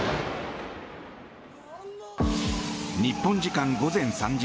日本時間午前３時